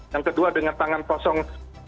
yang kedua dengan tangan kosong